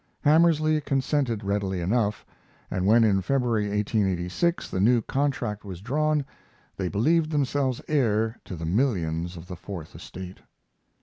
Hamersley consented readily enough, and when in February, 1886, the new contract was drawn they believed themselves heir to the millions of the Fourth Estate.